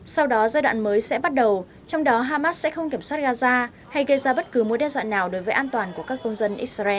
sau đó giai đoạn mới sẽ bắt đầu trong đó hamas sẽ không kiểm soát gaza hay gây ra bất cứ mối đe dọa nào đối với an toàn của các công dân israel